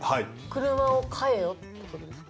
車を買えよって事ですか？